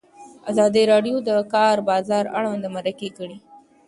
ازادي راډیو د د کار بازار اړوند مرکې کړي.